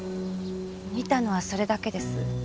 見たのはそれだけです。